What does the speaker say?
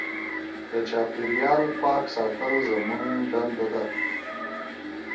د چاپېریال پاک ساتل زموږ دنده ده.